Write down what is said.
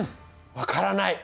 分からない。